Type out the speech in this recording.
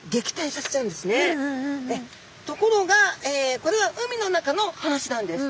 ところがこれは海の中の話なんです。